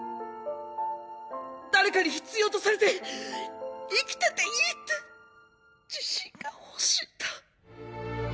誰かに必要とされて生きてていいって自信が欲しいんだ。